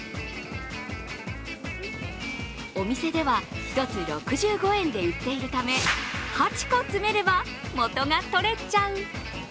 お店では１つ６５円で売っているため８個詰めれば、元が取れちゃう。